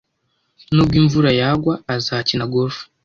Nubwo imvura yagwa, azakina golf.